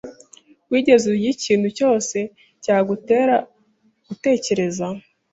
Wigeze urya ikintu cyose cyagutera gutekereza?